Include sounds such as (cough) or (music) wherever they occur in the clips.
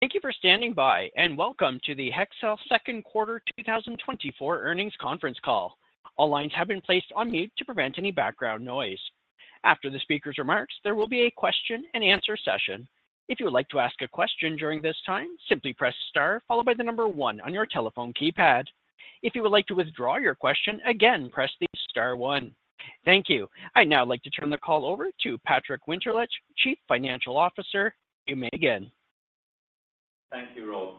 Thank you for standing by, and welcome to the Hexcel Second Quarter 2024 Earnings Conference Call. All lines have been placed on mute to prevent any background noise. After the speaker's remarks, there will be a question-and-answer session. If you would like to ask a question during this time, simply press star followed by 1 on your telephone keypad. If you would like to withdraw your question again, press the star 1. Thank you. I'd now like to turn the call over to Patrick Winterlich, Chief Financial Officer. You may begin. Thank you, Rob.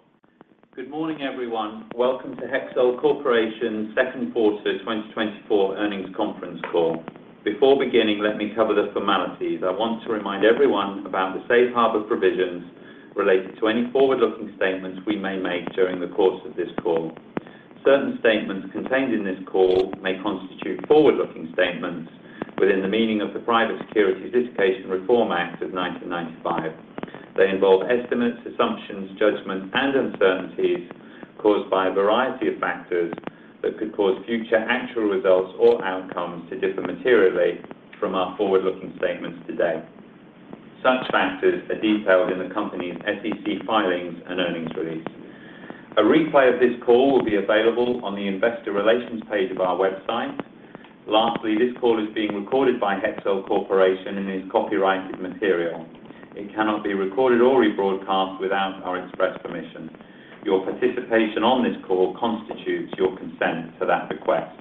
Good morning, everyone. Welcome to Hexcel Corporation Second Quarter 2024 Earnings Conference Call. Before beginning, let me cover the formalities. I want to remind everyone about the Safe Harbor provisions related to any forward-looking statements we may make during the course of this call. Certain statements contained in this call may constitute forward-looking statements within the meaning of the Private Securities Litigation Reform Act of 1995. They involve estimates, assumptions, judgments, and uncertainties caused by a variety of factors that could cause future actual results or outcomes to differ materially from our forward-looking statements today. Such factors are detailed in the company's SEC filings and earnings release. A replay of this call will be available on the investor relations page of our website. Lastly, this call is being recorded by Hexcel Corporation and is copyrighted material. It cannot be recorded or rebroadcast without our express permission. Your participation on this call constitutes your consent to that request.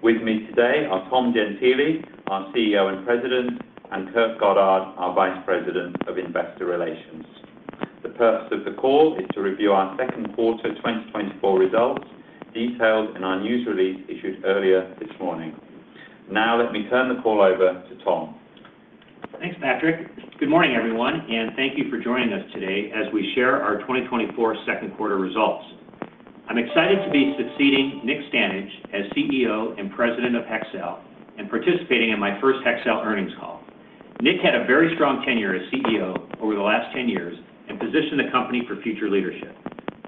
With me today are Thomas Gentile, our CEO and President, and Kurt Goddard, our Vice President of Investor Relations. The purpose of the call is to review our second quarter 2024 results, detailed in our news release issued earlier this morning. Now let me turn the call over to Thomas. Thanks, Patrick. Good morning, everyone, and thank you for joining us today as we share our 2024 second quarter results. I'm excited to be succeeding Nick Stanage as CEO and President of Hexcel, and participating in my first Hexcel earnings call. Nick had a very strong tenure as CEO over the last 10 years and positioned the company for future leadership.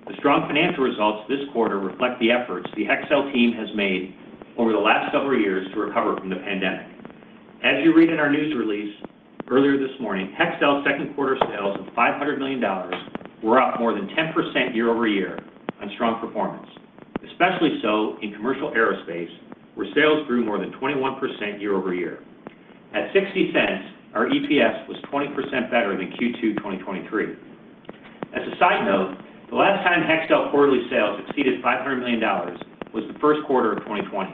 The strong financial results this quarter reflect the efforts the Hexcel team has made over the last several years to recover from the pandemic. As you read in our news release earlier this morning, Hexcel's second quarter sales of $500 million were up more than 10% year-over-year on strong performance, especially so in commercial aerospace, where sales grew more than 21% year-over-year. At $0.60, our EPS was 20% better than Q2 2023. As a side note, the last time Hexcel quarterly sales exceeded $500 million was the first quarter of 2020.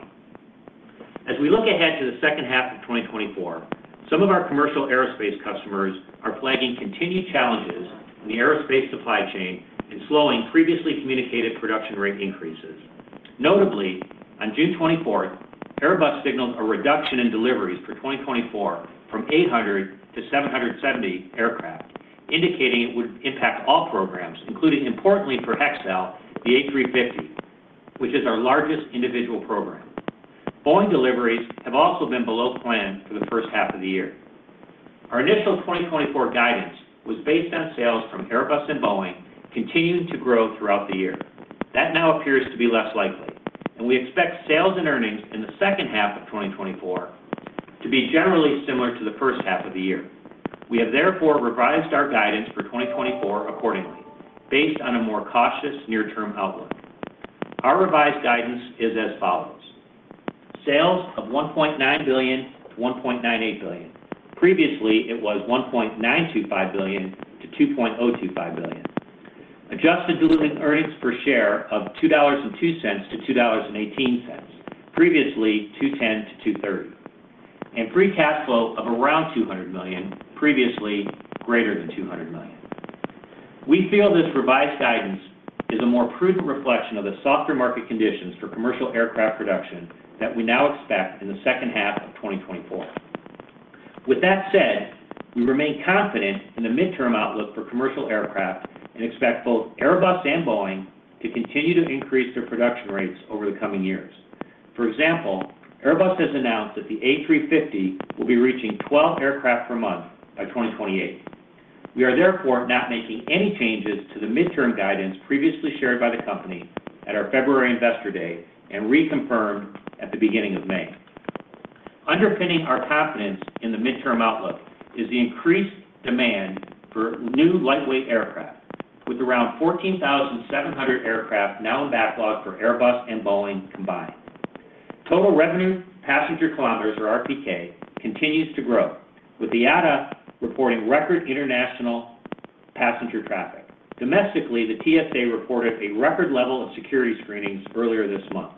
As we look ahead to the second half of 2024, some of our commercial aerospace customers are flagging continued challenges in the aerospace supply chain and slowing previously communicated production rate increases. Notably, on June 24th, Airbus signaled a reduction in deliveries for 2024 from 800 to 770 aircraft, indicating it would impact all programs, including importantly for Hexcel, the A350, which is our largest individual program. Boeing deliveries have also been below plan for the first half of the year. Our initial 2024 guidance was based on sales from Airbus and Boeing continuing to grow throughout the year. That now appears to be less likely, and we expect sales and earnings in the second half of 2024 to be generally similar to the first half of the year. We have therefore revised our guidance for 2024 accordingly, based on a more cautious near-term outlook. Our revised guidance is as follows: Sales of $1.9 billion-$1.98 billion. Previously, it was $1.925 billion-$2.025 billion. Adjusted diluted earnings per share of $2.02-$2.18. Previously, $2.10-$2.30. And free cash flow of around $200 million, previously greater than $200 million. We feel this revised guidance is a more prudent reflection of the softer market conditions for commercial aircraft production that we now expect in the second half of 2024. With that said, we remain confident in the midterm outlook for commercial aircraft and expect both Airbus and Boeing to continue to increase their production rates over the coming years. For example, Airbus has announced that the A350 will be reaching 12 aircraft per month by 2028. We are therefore not making any changes to the midterm guidance previously shared by the company at our February Investor Day and reconfirmed at the beginning of May. Underpinning our confidence in the midterm outlook is the increased demand for new lightweight aircraft, with around 14,700 aircraft now in backlog for Airbus and Boeing combined. Total Revenue Passenger Kilometers, or RPK, continues to grow, with the IATA reporting record international passenger traffic. Domestically, the TSA reported a record level of security screenings earlier this month.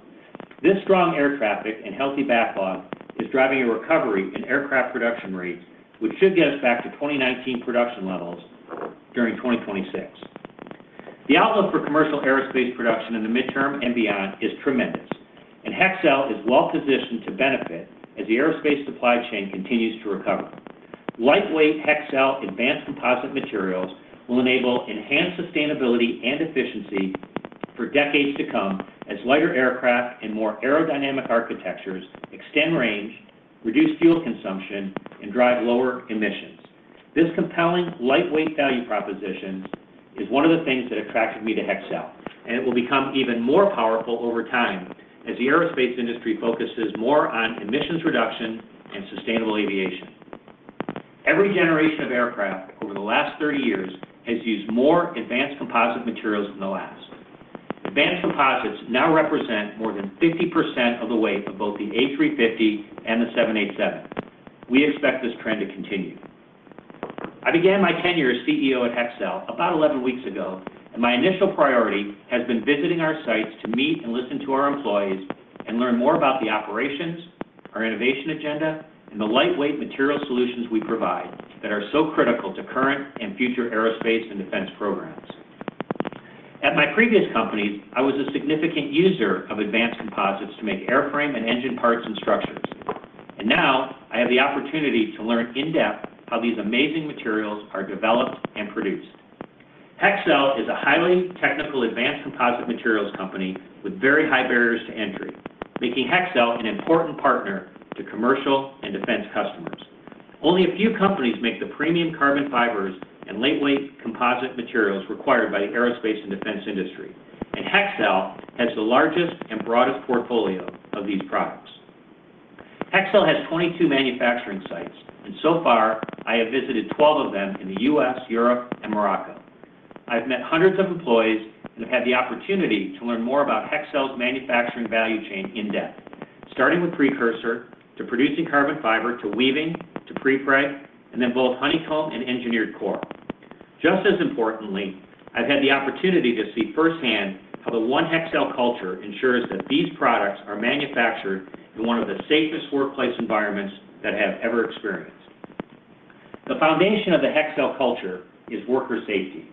This strong air traffic and healthy backlog is driving a recovery in aircraft production rates, which should get us back to 2019 production levels during 2026. The outlook for commercial aerospace production in the midterm and beyond is tremendous, and Hexcel is well positioned to benefit as the aerospace supply chain continues to recover. Lightweight Hexcel advanced composite materials will enable enhanced sustainability and efficiency for decades to come, as lighter aircraft and more aerodynamic architectures extend range, reduce fuel consumption, and drive lower emissions. This compelling lightweight value proposition is one of the things that attracted me to Hexcel, and it will become even more powerful over time as the aerospace industry focuses more on emissions reduction and sustainable aviation. Every generation of aircraft over the last 30 years has used more advanced composite materials than the last. Advanced composites now represent more than 50% of the weight of both the A350 and the 787. We expect this trend to continue. I began my tenure as CEO at Hexcel about 11 weeks ago, and my initial priority has been visiting our sites to meet and listen to our employees and learn more about the operations, our innovation agenda, and the lightweight material solutions we provide that are so critical to current and future aerospace and defense programs. At my previous companies, I was a significant user of advanced composites to make airframe and engine parts and structures, and now I have the opportunity to learn in depth how these amazing materials are developed and produced. Hexcel is a highly technical, advanced composite materials company with very high barriers to entry, making Hexcel an important partner to commercial and defense customers. Only a few companies make the premium carbon fibers and lightweight composite materials required by the aerospace and defense industry, and Hexcel has the largest and broadest portfolio of these products. Hexcel has 22 manufacturing sites, and so far, I have visited 12 of them in the U.S., Europe, and Morocco. I've met hundreds of employees and have had the opportunity to learn more about Hexcel's manufacturing value chain in depth, starting with precursor, to producing carbon fiber, to weaving, to prepreg, and then both honeycomb and engineered core. Just as importantly, I've had the opportunity to see firsthand how the One Hexcel culture ensures that these products are manufactured in one of the safest workplace environments that I have ever experienced. The foundation of the Hexcel culture is worker safety.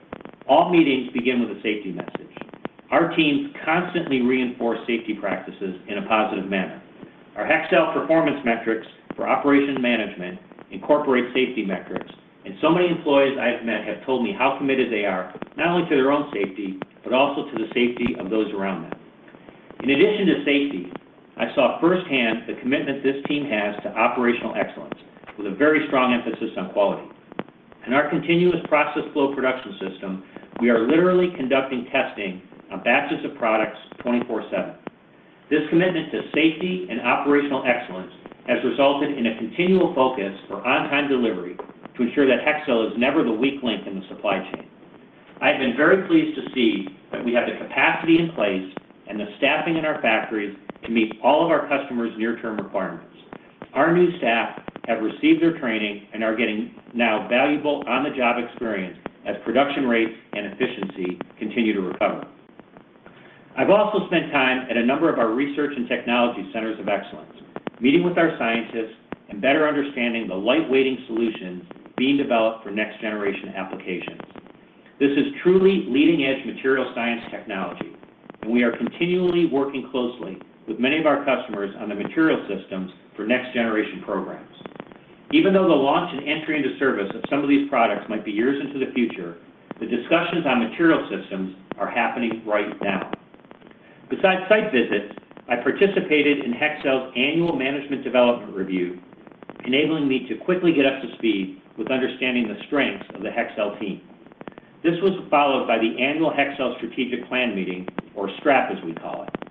All meetings begin with a safety message. Our teams constantly reinforce safety practices in a positive manner. Our Hexcel performance metrics for operation management incorporate safety metrics, and so many employees I've met have told me how committed they are, not only to their own safety, but also to the safety of those around them. In addition to safety, I saw firsthand the commitment this team has to operational excellence, with a very strong emphasis on quality. In our continuous process flow production system, we are literally conducting testing on batches of products 24/7. This commitment to safety and operational excellence has resulted in a continual focus for on-time delivery to ensure that Hexcel is never the weak link in the supply chain. I've been very pleased to see that we have the capacity in place and the staffing in our factories to meet all of our customers' near-term requirements. Our new staff have received their training and are getting now valuable on-the-job experience as production rates and efficiency continue to recover. I've also spent time at a number of our research and technology centers of excellence, meeting with our scientists and better understanding the light weighting solutions being developed for next-generation applications. This is truly leading-edge material science technology, and we are continually working closely with many of our customers on the material systems for next-generation programs. Even though the launch and entry into service of some of these products might be years into the future, the discussions on material systems are happening right now. Besides site visits, I participated in Hexcel's annual management development review, enabling me to quickly get up to speed with understanding the strengths of the Hexcel team. This was followed by the annual Hexcel Strategic Plan meeting, or STRAP, as we call it.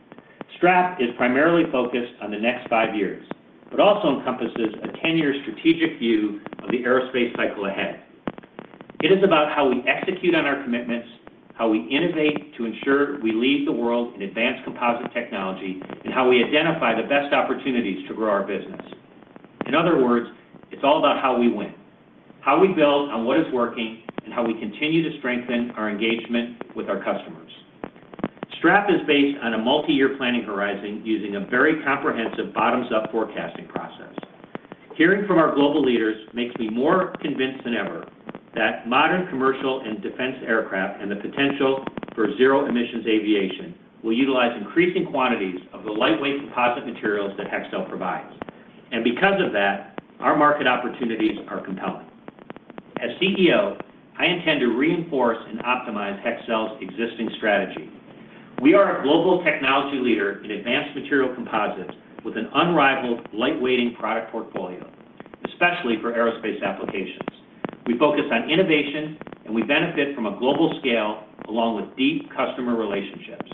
STRAP is primarily focused on the next five years, but also encompasses a 10-year strategic view of the aerospace cycle ahead. It is about how we execute on our commitments, how we innovate to ensure we lead the world in advanced composite technology, and how we identify the best opportunities to grow our business. In other words, it's all about how we win, how we build on what is working, and how we continue to strengthen our engagement with our customers. STRAP is based on a multi-year planning horizon using a very comprehensive bottoms-up forecasting process. Hearing from our global leaders makes me more convinced than ever that modern commercial and defense aircraft, and the potential for zero emissions aviation, will utilize increasing quantities of the lightweight composite materials that Hexcel provides. And because of that, our market opportunities are compelling. As CEO, I intend to reinforce and optimize Hexcel's existing strategy. We are a global technology leader in advanced material composites with an unrivaled light weighting product portfolio, especially for aerospace applications. We focus on innovation, and we benefit from a global scale, along with deep customer relationships.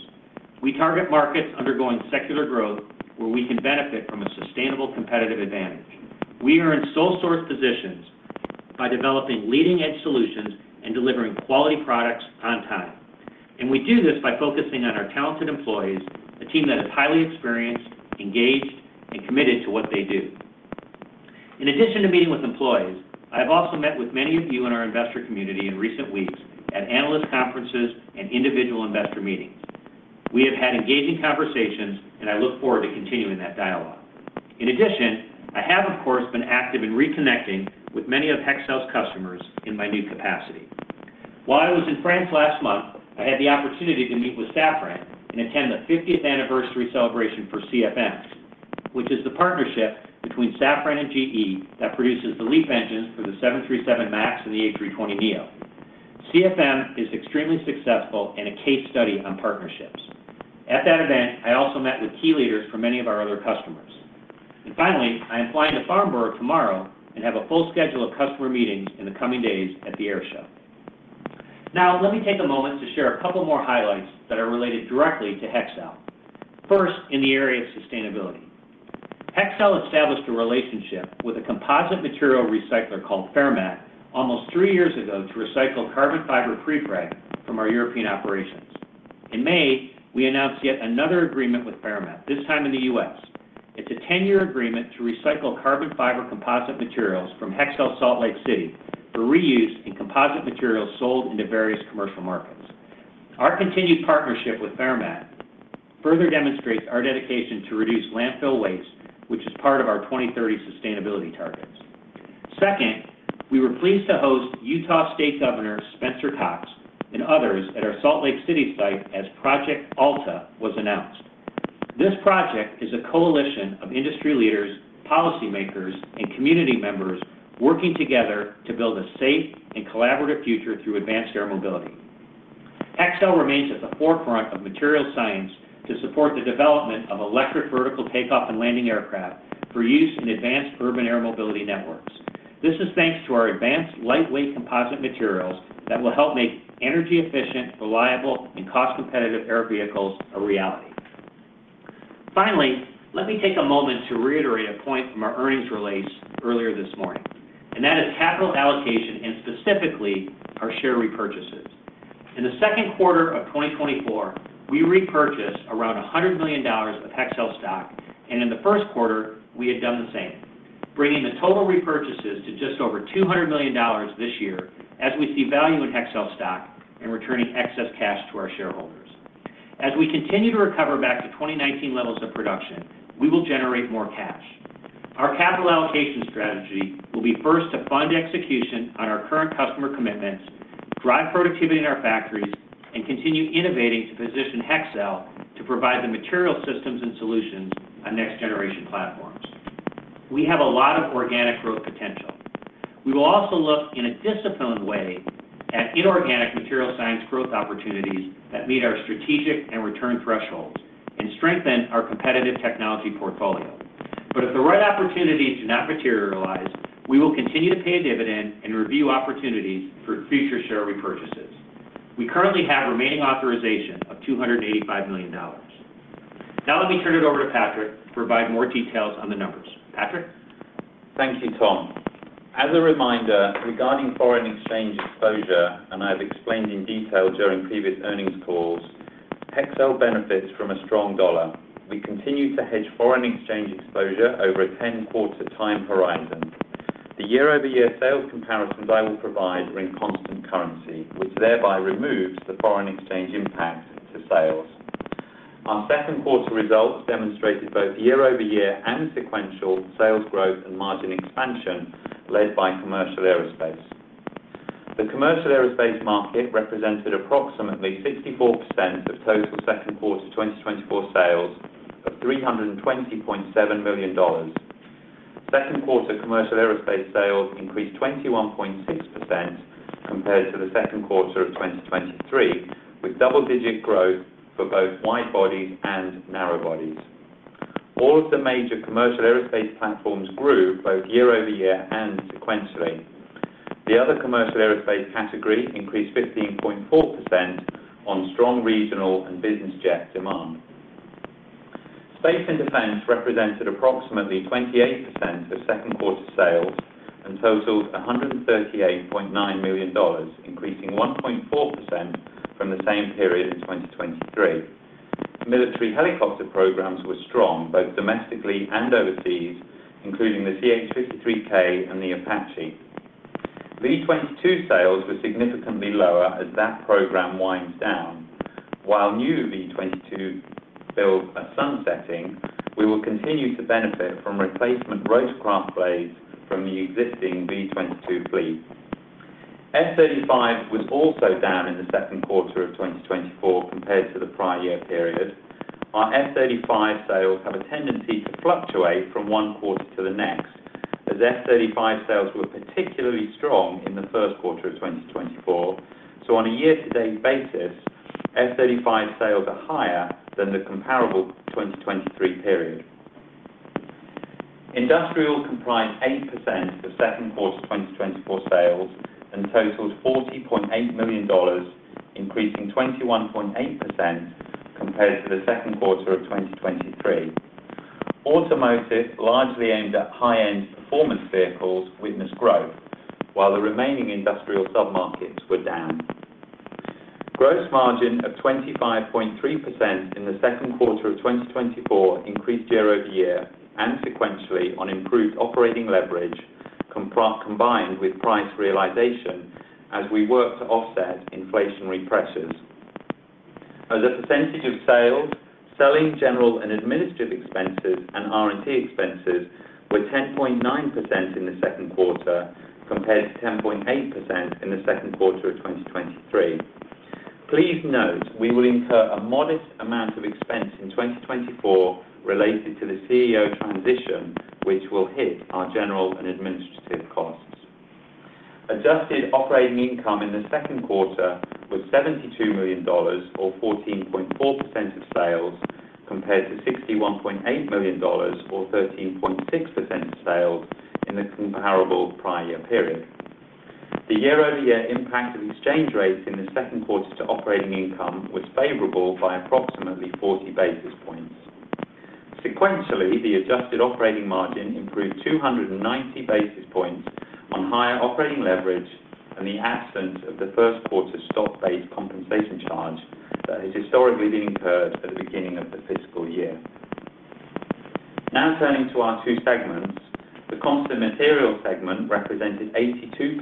We target markets undergoing secular growth, where we can benefit from a sustainable competitive advantage. We are in sole source positions by developing leading-edge solutions and delivering quality products on time. We do this by focusing on our talented employees, a team that is highly experienced, engaged, and committed to what they do. In addition to meeting with employees, I have also met with many of you in our investor community in recent weeks at analyst conferences and individual investor meetings. We have had engaging conversations, and I look forward to continuing that dialogue. In addition, I have, of course, been active in reconnecting with many of Hexcel's customers in my new capacity. While I was in France last month, I had the opportunity to meet with Safran and attend the fiftieth anniversary celebration for CFM, which is the partnership between Safran and GE that produces the LEAP engines for the 737 MAX and the A320neo. CFM is extremely successful and a case study on partnerships. At that event, I also met with key leaders from many of our other customers. And finally, I am flying to Farnborough tomorrow and have a full schedule of customer meetings in the coming days at the air show. Now, let me take a moment to share a couple more highlights that are related directly to Hexcel. First, in the area of sustainability. Hexcel established a relationship with a composite material recycler called Fairmat, almost three years ago, to recycle carbon fiber prepreg from our European operations. In May, we announced yet another agreement with Fairmat, this time in the US. It's a 10-year agreement to recycle carbon fiber composite materials from Hexcel, Salt Lake City, for reuse in composite materials sold into various commercial markets. Our continued partnership with Fairmat further demonstrates our dedication to reduce landfill waste, which is part of our 2030 sustainability targets. Second, we were pleased to host Utah State Governor Spencer Cox and others at our Salt Lake City site as Project Alta was announced. This project is a coalition of industry leaders, policymakers, and community members working together to build a safe and collaborative future through advanced air mobility. Hexcel remains at the forefront of material science to support the development of electric, vertical takeoff and landing aircraft for use in advanced urban air mobility networks. This is thanks to our advanced, lightweight composite materials that will help make energy-efficient, reliable and cost-competitive air vehicles a reality. Finally, let me take a moment to reiterate a point from our earnings release earlier this morning, and that is capital allocation and specifically our share repurchases. In the second quarter of 2024, we repurchased around $100 million of Hexcel stock, and in the first quarter, we had done the same, bringing the total repurchases to just over $200 million this year as we see value in Hexcel stock and returning excess cash to our shareholders. As we continue to recover back to 2019 levels of production, we will generate more cash. Our capital allocation strategy will be first to fund execution on our current customer commitments, drive productivity in our factories, and continue innovating to position Hexcel to provide the material systems and solutions on next-generation platforms. We have a lot of organic growth potential. We will also look in a disciplined way at inorganic material science growth opportunities that meet our strategic and return thresholds and strengthen our competitive technology portfolio. But if the right opportunities do not materialize, we will continue to pay a dividend and review opportunities for future share repurchases. We currently have remaining authorization of $285 million. Now, let me turn it over to Patrick to provide more details on the numbers. Patrick? Thank you, Thomas. As a reminder, regarding foreign exchange exposure, and I've explained in detail during previous earnings calls, Hexcel benefits from a strong dollar. We continue to hedge foreign exchange exposure over a 10-quarter time horizon. The year-over-year sales comparisons I will provide are in constant currency, which thereby removes the foreign exchange impact to sales. Our second quarter results demonstrated both year-over-year and sequential sales growth and margin expansion, led by commercial aerospace. The commercial aerospace market represented approximately 64% of total second quarter 2024 sales of $320.7 million. Second quarter commercial aerospace sales increased 21.6% compared to the second quarter of 2023, with double-digit growth for both wide bodies and narrow bodies. All of the major commercial aerospace platforms grew both year-over-year and sequentially. The other commercial aerospace category increased 15.4% on strong, regional and business jet demand. Space and Defense represented approximately 28% of second quarter sales and totaled $138.9 million, increasing 1.4% from the same period in 2023. Military helicopter programs were strong, both domestically and overseas, including the CH-53K and the Apache. V-22 sales were significantly lower as that program winds down. While new V-22 builds are sunsetting, we will continue to benefit from replacement rotorcraft blades from the existing V-22 fleet. F-35 was also down in the second quarter of 2024 compared to the prior year period. Our F-35 sales have a tendency to fluctuate from one quarter to the next, as F-35 sales were particularly strong in the first quarter of 2024. So on a year-to-date basis, F-35 sales are higher than the comparable 2023 period. Industrial comprised 8% of second quarter 2024 sales and totaled $40.8 million, increasing 21.8% compared to the second quarter of 2023. Automotive, largely aimed at high-end performance vehicles, witnessed growth, while the remaining industrial submarkets were down. Gross margin of 25.3% in the second quarter of 2024 increased year-over-year and sequentially on improved operating leverage, combined with price realization as we work to offset inflationary pressures. As a percentage of sales, selling, general and administrative expenses and R&D expenses were 10.9% in the second quarter, compared to 10.8% in the second quarter of 2023. Please note, we will incur a modest amount of expense in 2024 related to the CEO transition, which will hit our general and administrative costs. Adjusted operating income in the second quarter was $72 million or 14.4% of sales, compared to $61.8 million, or 13.6% of sales in the comparable prior year period. The year-over-year impact of exchange rates in the second quarter to operating income was favorable by approximately 40 basis points. Sequentially, the adjusted operating margin improved 290 basis points on higher operating leverage and the absence of the first quarter stock-based compensation charge that has historically been incurred at the beginning of the fiscal year. Now turning to our two segments. The Composite Materials segment represented 82%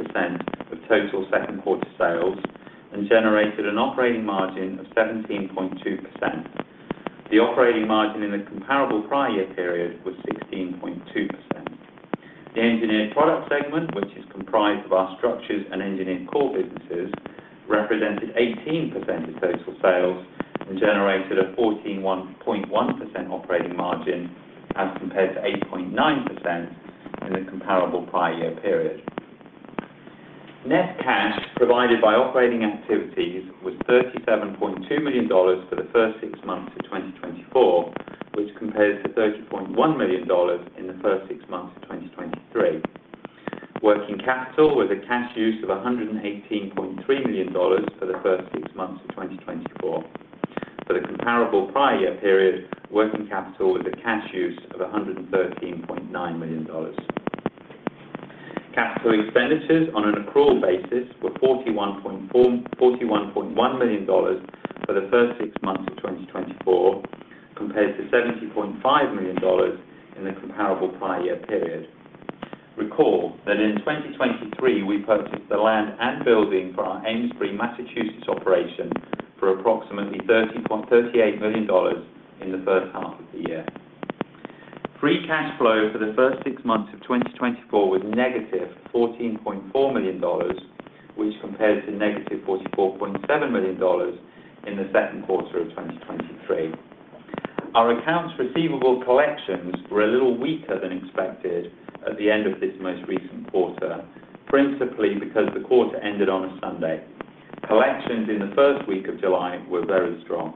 of total second quarter sales and generated an operating margin of 17.2%. The operating margin in the comparable prior year period was 16.2%. The Engineered Products segment, which is comprised of our structures and engineered core businesses, represented 18% of total sales and generated a 14.1% operating margin, as compared to 8.9% in the comparable prior year period. Net cash provided by operating activities was $37.2 million for the first six months of 2024, which compares to $30.1 million in the first six months of 2023. Working capital was a cash use of $118.3 million for the first six months of 2024. For the comparable prior year period, working capital was a cash use of $113.9 million. Capital expenditures on an accrual basis were $41.1 million for the first six months of 2024, compared to $70.5 million in the comparable prior year period. Recall that in 2023, we purchased the land and building for our Amesbury, Massachusetts operation for approximately $38 million in the first half of the year. Free cash flow for the first six months of 2024 was -$14.4 million, which compares to -$44.7 million in the second quarter of 2023. Our accounts receivable collections were a little weaker than expected at the end of this most recent quarter, principally because the quarter ended on a Sunday. Collections in the first week of July were very strong.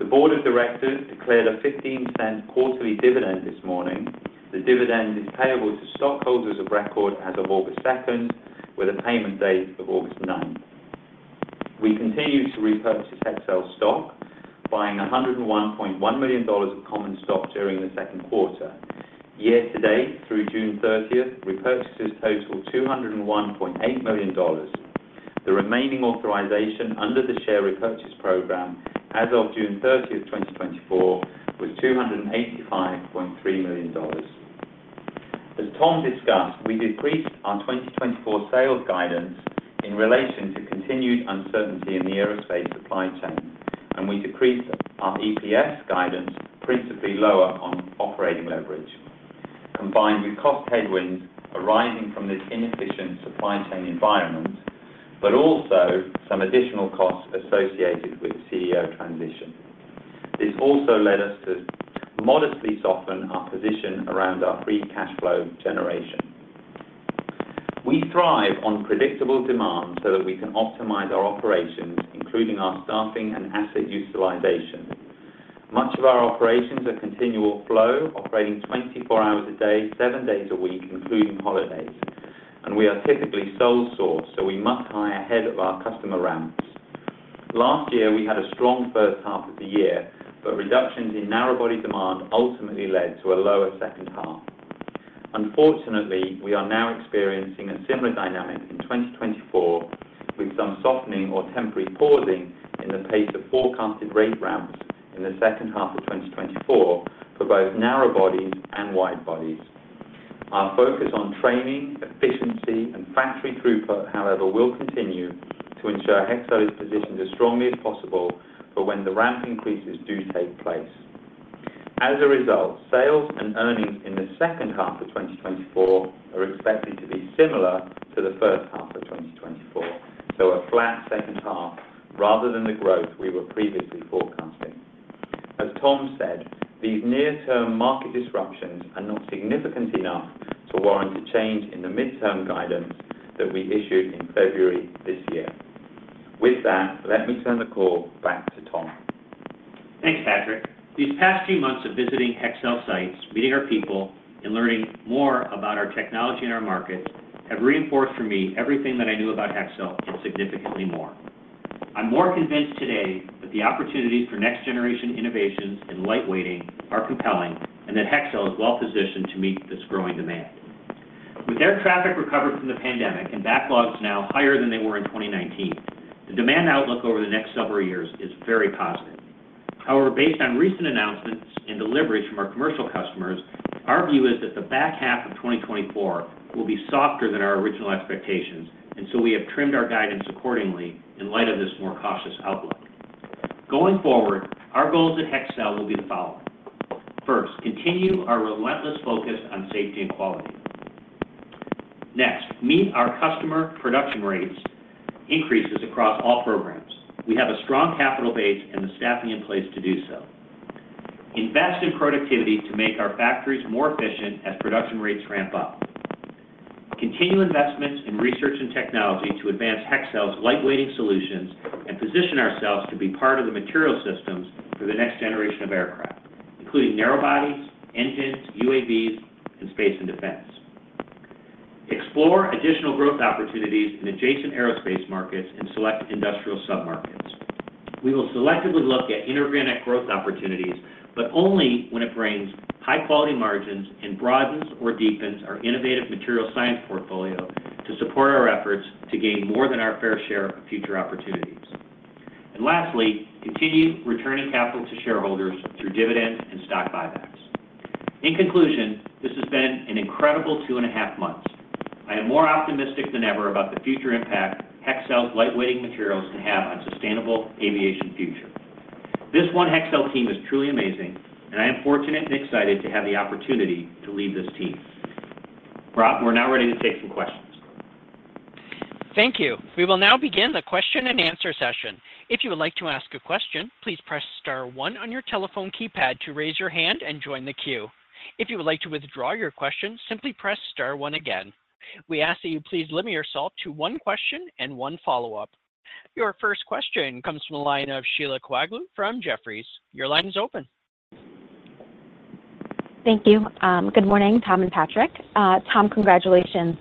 The board of directors declared a $0.15 quarterly dividend this morning. The dividend is payable to stockholders of record as of August two, with a payment date of August nine. We continue to repurchase Hexcel stock, buying $101.1 million of common stock during the second quarter. Year to date, through June 30, repurchases total $201.8 million. The remaining authorization under the share repurchase program as of June 30, 2024, was $285.3 million. As Tom discussed, we decreased our 2024 sales guidance in relation to continued uncertainty in the aerospace supply chain, and we decreased our EPS guidance, principally lower on operating leverage, combined with cost headwinds arising from this inefficient supply chain environment, but also some additional costs associated with CEO transition. This also led us to modestly soften our position around our free cash flow generation. We thrive on predictable demand so that we can optimize our operations, including our staffing and asset utilization. Much of our operations are continual flow, operating 24 hours a day, seven days a week, including holidays, and we are typically sole source, so we must hire ahead of our customer ramps. Last year, we had a strong first half of the year, but reductions in narrow body demand ultimately led to a lower second half. Unfortunately, we are now experiencing a similar dynamic in 2024, with some softening or temporary pausing in the pace of forecasted rate ramps in the second half of 2024 for both narrow bodies and wide bodies. Our focus on training, efficiency, and factory throughput, however, will continue to ensure Hexcel is positioned as strongly as possible for when the ramp increases do take place. As a result, sales and earnings in the second half of 2024 are expected to be similar to the first half of 2024, so a flat second half rather than the growth we were previously forecasting. As Thomas said, these near-term market disruptions are not significant enough to warrant a change in the midterm guidance that we issued in February this year. With that, let me turn the call back to Thomas. Thanks, Patrick. These past few months of visiting Hexcel sites, meeting our people, and learning more about our technology and our markets, have reinforced for me everything that I knew about Hexcel and significantly more. I'm more convinced today that the opportunities for next generation innovations and light weighting are compelling, and that Hexcel is well positioned to meet this growing demand. With air traffic recovered from the pandemic and backlogs now higher than they were in 2019, the demand outlook over the next several years is very positive. However, based on recent announcements and deliveries from our commercial customers, our view is that the back half of 2024 will be softer than our original expectations, and so we have trimmed our guidance accordingly in light of this more cautious outlook. Going forward, our goals at Hexcel will be the following: First, continue our relentless focus on safety and quality. Next, meet our customer production rates increases across all programs. We have a strong capital base and the staffing in place to do so. Invest in productivity to make our factories more efficient as production rates ramp up. Continue investments in research and technology to advance Hexcel's lightweighting solutions and position ourselves to be part of the material systems for the next generation of aircraft, including narrow bodies, engines, UAVs, and space and defense. Explore additional growth opportunities in adjacent aerospace markets and select industrial submarkets. We will selectively look at inorganic growth opportunities, but only when it brings high-quality margins and broadens or deepens our innovative material science portfolio to support our efforts to gain more than our fair share of future opportunities. And lastly, continue returning capital to shareholders through dividends and stock buybacks. In conclusion, this has been an incredible 2.5 months. I am more optimistic than ever about the future impact Hexcel's lightweighting materials can have on sustainable aviation future. This one Hexcel team is truly amazing, and I am fortunate and excited to have the opportunity to lead this team. Rob, we're now ready to take some questions. Thank you. We will now begin the question-and-answer session. If you would like to ask a question, please press star one on your telephone keypad to raise your hand and join the queue. If you would like to withdraw your question, simply press star one again. We ask that you please limit yourself to one question and one follow-up. Your first question comes from the line of Sheila Kahyaoglu from Jefferies. Your line is open. Thank you. Good morning, Tom and Patrick. Tom, congratulations.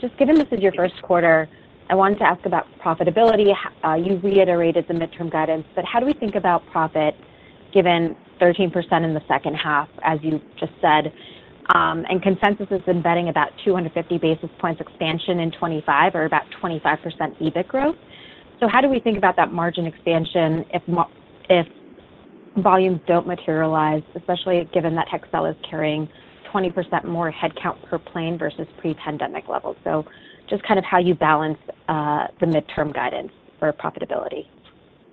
Just given this is your first quarter, I wanted to ask about profitability. You reiterated the midterm guidance, but how do we think about profit, given 13% in the second half, as you just said, and consensus is embedding about 250 basis points expansion in 2025 or about 25% EBIT growth. So how do we think about that margin expansion if volumes don't materialize, especially given that Hexcel is carrying 20% more headcount per plane versus pre-pandemic levels? So just kind of how you balance the midterm guidance for profitability.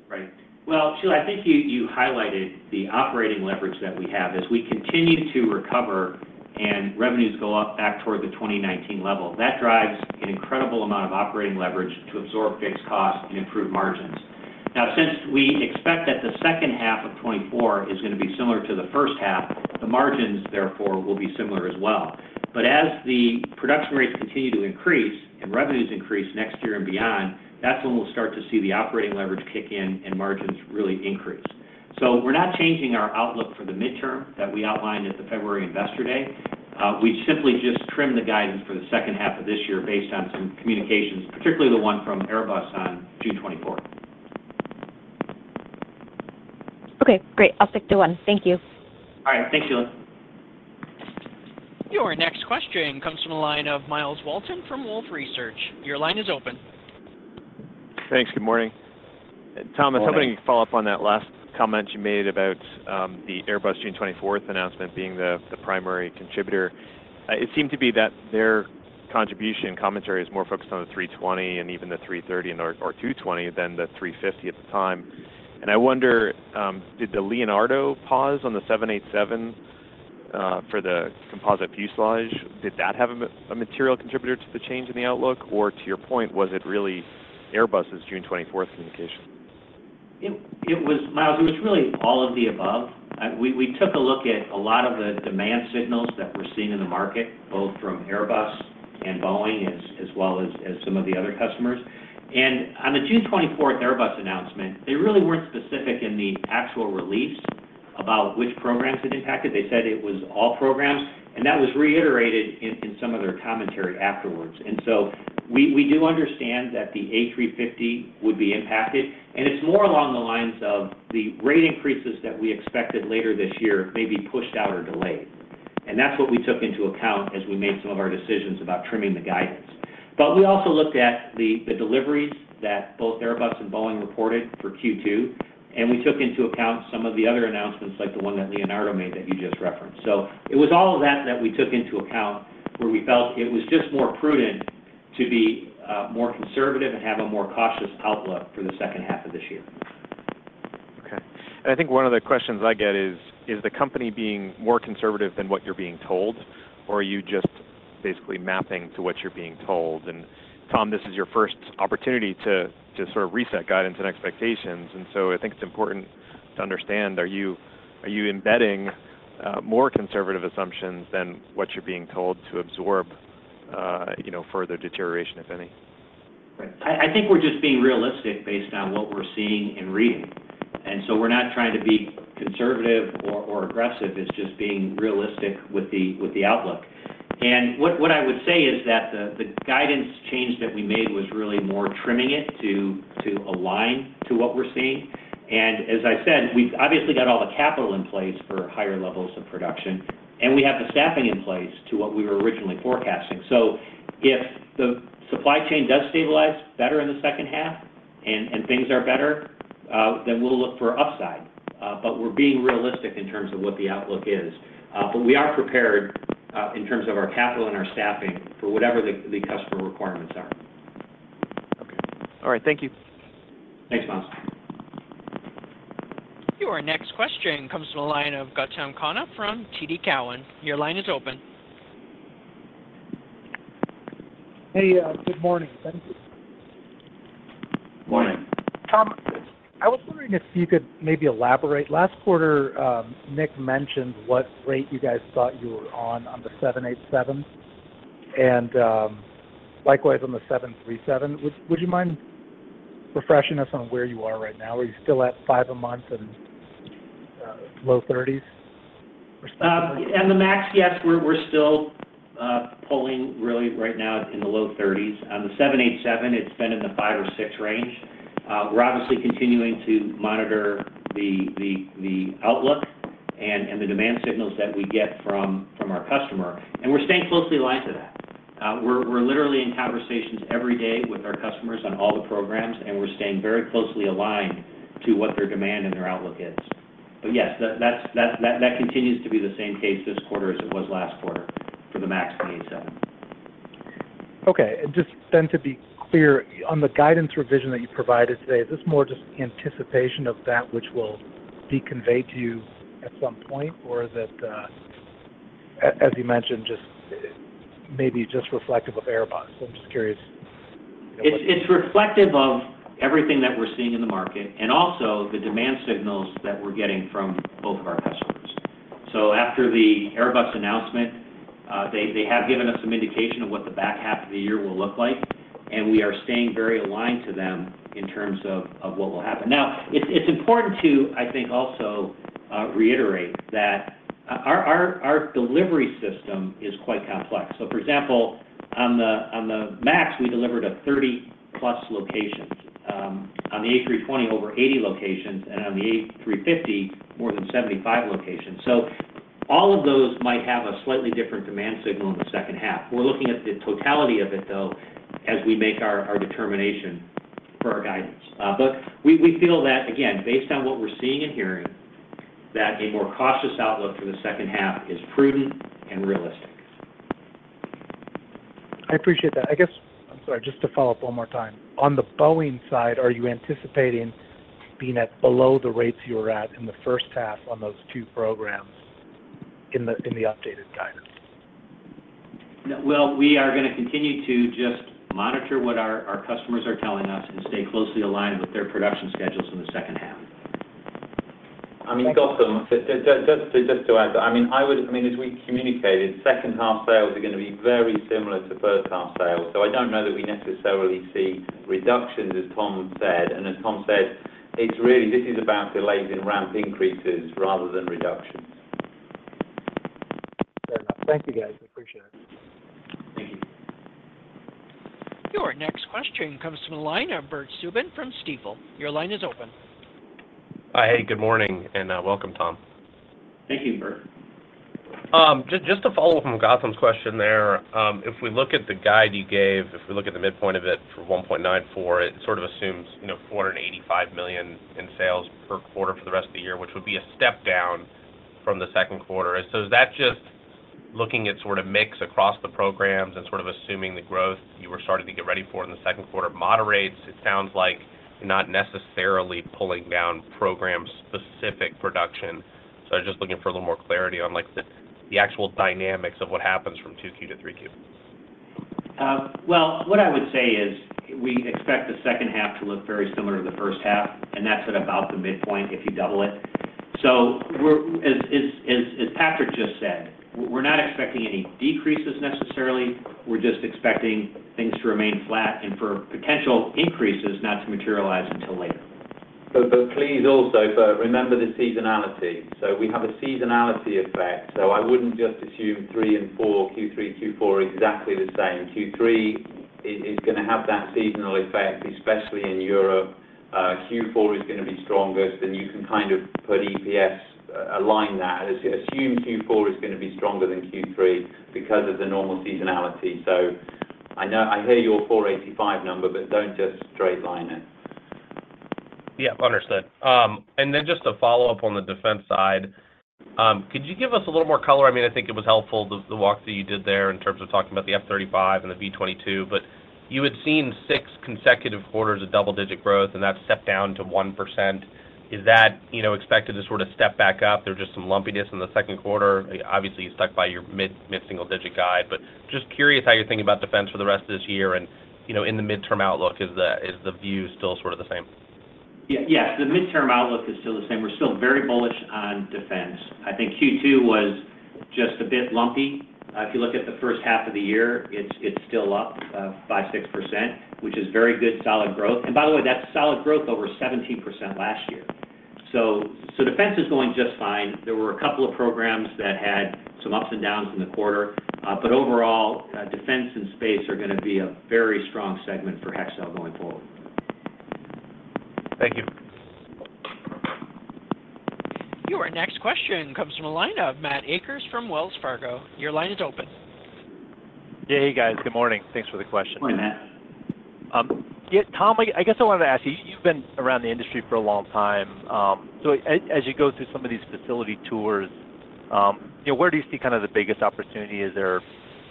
Right. Well, Sheila, I think you highlighted the operating leverage that we have as we continue to recover and revenues go up back toward the 2019 level. That drives an incredible amount of operating leverage to absorb fixed costs and improve margins. Now, since we expect that the second half of 2024 is gonna be similar to the first half, the margins, therefore, will be similar as well. But as the production rates continue to increase and revenues increase next year and beyond, that's when we'll start to see the operating leverage kick in and margins really increase. So we're not changing our outlook for the midterm that we outlined at the February Investor Day. We've simply just trimmed the guidance for the second half of this year based on some communications, particularly the one from Airbus on June 24th. Okay, great. I'll stick to one. Thank you. All right. Thanks, Sheila. Your next question comes from the line of Myles Walton from Wolfe Research. Your line is open. Thanks. Good morning. Good morning. Thomas, I was hoping you could follow up on that last comment you made about the Airbus June 24th announcement being the primary contributor. It seemed to be that their contribution commentary is more focused on the A320 and even the A330 and or 220 than the A350 at the time. And I wonder, did the Leonardo pause on the 787 for the composite fuselage have a material contributor to the change in the outlook? Or to your point, was it really Airbus's June 24th communication? It was, Myles, it was really all of the above. We took a look at a lot of the demand signals that we're seeing in the market, both from Airbus and Boeing, as well as some of the other customers. And on the June 24 Airbus announcement, they really weren't specific in the actual release about which programs it impacted. They said it was all programs, and that was reiterated in some of their commentary afterwards. And so we do understand that the A350 would be impacted, and it's more along the lines of the rate increases that we expected later this year may be pushed out or delayed. And that's what we took into account as we made some of our decisions about trimming the guidance. But we also looked at the deliveries that both Airbus and Boeing reported for Q2, and we took into account some of the other announcements, like the one that Leonardo made that you just referenced. So it was all of that that we took into account, where we felt it was just more prudent to be more conservative and have a more cautious outlook for the second half of this year. Okay. I think one of the questions I get is, is the company being more conservative than what you're being told, or are you just basically mapping to what you're being told? Tom, this is your first opportunity to sort of reset guidance and expectations, and so I think it's important to understand, are you embedding more conservative assumptions than what you're being told to absorb, you know, further deterioration, if any? Right. I think we're just being realistic based on what we're seeing and reading. And so we're not trying to be conservative or aggressive, it's just being realistic with the outlook. And what I would say is that the guidance change that we made was really more trimming it to align to what we're seeing. And as I said, we've obviously got all the capital in place for higher levels of production, and we have the staffing in place to what we were originally forecasting. So if the supply chain does stabilize better in the second half and things are better, then we'll look for upside. But we're being realistic in terms of what the outlook is. But we are prepared in terms of our capital and our staffing for whatever the customer requirements are. Okay. All right. Thank you. Thanks, Myles. Your next question comes from the line of Gautam Khanna from TD Cowen. Your line is open. Hey, good morning. Can you- Good morning, Thomas. I was wondering if you could maybe elaborate. Last quarter, Nick mentioned what rate you guys thought you were on, on the 787, and likewise on the 737. Would you mind refreshing us on where you are right now? Are you still at 5 a month and low 30s? On the 737 MAX, yes, we're still pulling really right now in the low 30s. On the 787, it's been in the five or six range. We're obviously continuing to monitor the outlook and the demand signals that we get from our customer, and we're staying closely aligned to that. We're literally in conversations every day with our customers on all the programs, and we're staying very closely aligned to what their demand and their outlook is. But yes, that continues to be the same case this quarter as it was last quarter for the 737 MAX. Okay. Just then to be clear, on the guidance revision that you provided today, is this more just anticipation of that which will be conveyed to you at some point? Or is it, as you mentioned, just maybe just reflective of Airbus? I'm just curious. It's reflective of everything that we're seeing in the market and also the demand signals that we're getting from both of our customers. So after the Airbus announcement, they have given us some indication of what the back half of the year will look like, and we are staying very aligned to them in terms of what will happen. Now, it's important to, I think, also reiterate that our delivery system is quite complex. So for example, on the MAX, we delivered 30+ locations, on the A320, over 80 locations, and on the A350, more than 75 locations. So all of those might have a slightly different demand signal in the second half. We're looking at the totality of it, though, as we make our determination for our guidance. But we feel that, again, based on what we're seeing and hearing, that a more cautious outlook for the second half is prudent and realistic. I appreciate that. I guess, I'm sorry, just to follow up one more time. On the Boeing side, are you anticipating being at below the rates you were at in the first half on those two programs in the updated guidance? Well, we are gonna continue to just monitor what our customers are telling us and stay closely aligned with their production schedules in the second half. I mean, Gautam, just to add to that, I mean, I would (audio distortion) I mean, as we communicated, second half sales are going to be very similar to first half sales. So I don't know that we necessarily see reductions, as Thomas said, and as Thomas said, it's really this is about delays in ramp increases rather than reductions. Thank you, guys. I appreciate it. Thank you. Your next question comes from a line of Bert Subin from Stifel. Your line is open. Hi. Hey, good morning, and welcome, Thomas. Thank you, Bert. Just, just to follow up on Gautam's question there, if we look at the guide you gave, if we look at the midpoint of it for 1.94, it sort of assumes, you know, $485 million in sales per quarter for the rest of the year, which would be a step down from the second quarter. So is that just looking at sort of mix across the programs and sort of assuming the growth you were starting to get ready for in the second quarter moderates? It sounds like not necessarily pulling down program-specific production. So I was just looking for a little more clarity on, like, the, the actual dynamics of what happens from 2Q to 3Q. Well, what I would say is we expect the second half to look very similar to the first half, and that's at about the midpoint if you double it. So we're (audio distortion) as Patrick just said, we're not expecting any decreases necessarily. We're just expecting things to remain flat and for potential increases not to materialize until later. But, but please also, Bert, remember the seasonality. So we have a seasonality effect, so I wouldn't just assume 3 and 4, Q3, Q4, are exactly the same. Q3 is, is gonna have that seasonal effect, especially in Europe. Q4 is gonna be stronger, so you can kind of put EPS, align that. Assume Q4 is gonna be stronger than Q3 because of the normal seasonality. So I know... I hear your 4.85 number, but don't just straight line it. Yeah, understood. And then just to follow up on the defense side, could you give us a little more color? I mean, I think it was helpful, the walk that you did there in terms of talking about the F-35 and the V-22, but you had seen six consecutive quarters of double-digit growth, and that stepped down to 1%. Is that, you know, expected to sort of step back up? There are just some lumpiness in the second quarter. Obviously, you stuck by your mid-single-digit guide, but just curious how you're thinking about defense for the rest of this year. And, you know, in the midterm outlook, is the view still sort of the same? Yeah. Yes, the midterm outlook is still the same. We're still very bullish on defense. I think Q2 was just a bit lumpy. If you look at the first half of the year, it's still up 5%-6%, which is very good, solid growth. And by the way, that's solid growth over 17% last year. So defense is going just fine. There were a couple of programs that had some ups and downs in the quarter, but overall, defense and space are gonna be a very strong segment for Hexcel going forward. Thank you. Your next question comes from a line of Matthew Akers from Wells Fargo. Your line is open. Yeah. Hey, guys. Good morning. Thanks for the question. Good morning, Matthew. Yeah, Thomas, I guess I wanted to ask you, you've been around the industry for a long time, so as you go through some of these facility tours, you know, where do you see kind of the biggest opportunity? Is there,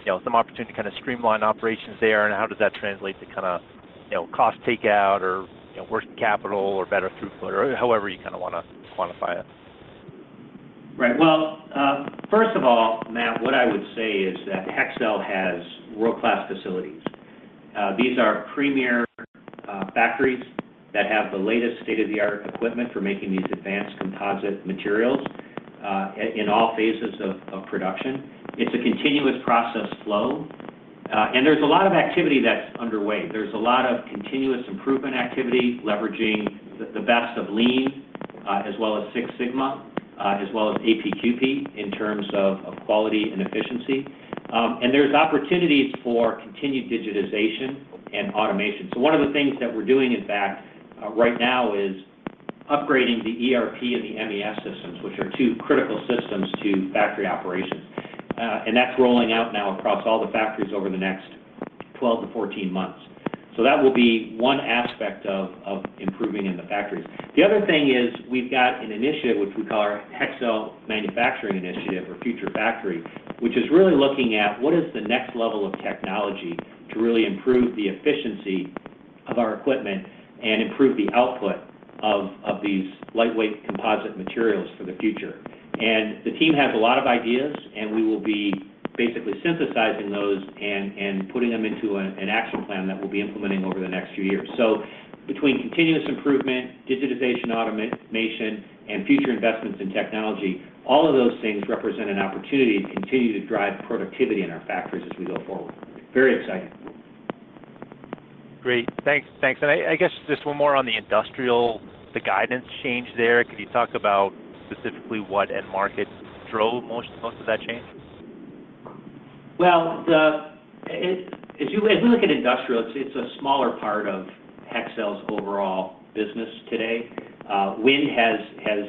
you know, some opportunity to kind of streamline operations there, and how does that translate to kinda, you know, cost takeout or, you know, working capital or better throughput or however you kind of want to quantify it? Right. Well, first of all, Matt, what I would say is that Hexcel has world-class facilities. These are premier factories that have the latest state-of-the-art equipment for making these advanced composite materials in all phases of production. It's a continuous process flow, and there's a lot of activity that's underway. There's a lot of continuous improvement activity, leveraging the best of Lean as well as Six Sigma as well as APQP, in terms of quality and efficiency. And there's opportunities for continued digitization and automation. So one of the things that we're doing, in fact, right now, is upgrading the ERP and the MES systems, which are two critical systems to factory operations. And that's rolling out now across all the factories over the next 12 months-14 months. So that will be one aspect of improving in the factories. The other thing is, we've got an initiative, which we call our Hexcel Manufacturing Initiative or Future Factory, which is really looking at what is the next level of technology to really improve the efficiency of our equipment and improve the output of these lightweight composite materials for the future. And the team has a lot of ideas, and we will be basically synthesizing those and putting them into an action plan that we'll be implementing over the next few years. So between continuous improvement, digitization, automation, and future investments in technology, all of those things represent an opportunity to continue to drive productivity in our factories as we go forward. Very exciting. Great. Thanks. Thanks. And I guess just one more on the industrial, the guidance change there. Could you talk about specifically what end markets drove most of that change? Well, as we look at industrial, it's a smaller part of Hexcel's overall business today. Wind has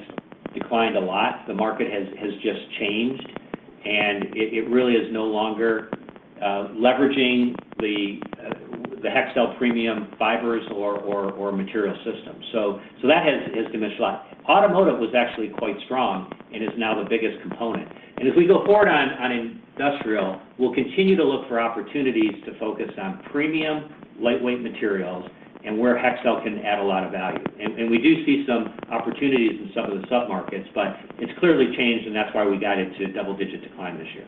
declined a lot. The market has just changed, and it really is no longer leveraging the Hexcel premium fibers or material systems. So that has diminished a lot. Automotive was actually quite strong and is now the biggest component. And as we go forward on industrial, we'll continue to look for opportunities to focus on premium, lightweight materials and where Hexcel can add a lot of value. And we do see some opportunities in some of the sub-markets, but it's clearly changed, and that's why we guided to double-digit decline this year.